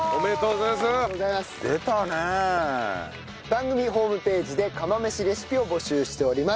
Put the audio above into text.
番組ホームページで釜飯レシピを募集しております。